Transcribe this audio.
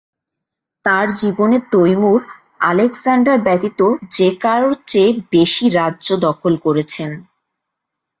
তার জীবনে Timur Alexander ব্যতীত যে কারও চেয়ে বেশি রাজ্য দখল করেছেন।